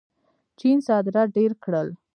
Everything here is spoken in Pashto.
چین صادرات ډېر کړل.